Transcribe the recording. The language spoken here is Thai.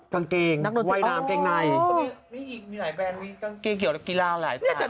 มีหลายแบรนด์วิกางเกงเกี่ยวกับกีฬาหลายต่าง